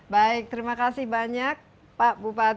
baik terima kasih banyak pak bupati